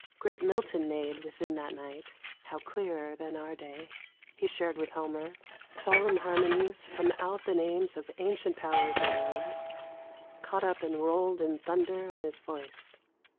Great Milton made Within that night (how clearer than our day!) He shared with Homer, solemn harmonies From out the names of ancient powers and realms, MUSIC. Caught up and rolled in thunder on his voice.